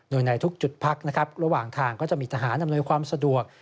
โดยในทุกจุดพักนะครับระหว่างทางก็จะมีทหารอำนวยความสะดวก